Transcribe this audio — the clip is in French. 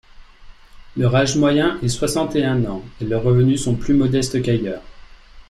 Leur âge moyen est soixante-et-un ans et leurs revenus sont plus modestes qu’ailleurs.